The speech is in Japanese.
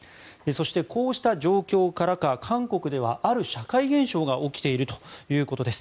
そして、こうした状況からか韓国ではある社会現象が起きているということです。